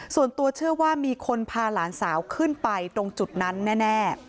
ส่วนตัวเชื่อว่ามีคนพาหลานสาวขึ้นไปตรงจุดนั้นแน่